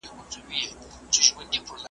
الله تعالی منځګړو ته کوم توفيق ورکوي؟